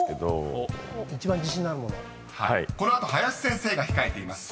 ［この後林先生が控えています。